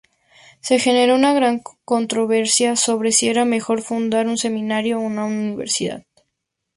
Se generó gran controversia sobre si era mejor fundar un seminario o una universidad.